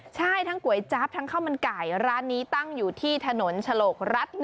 ใช่ทั้งก๋วยจั๊บทั้งข้าวมันไก่ร้านนี้ตั้งอยู่ที่ถนนฉลกรัฐ๑